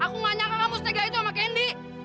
aku gak nyangka kamu setegah itu sama candy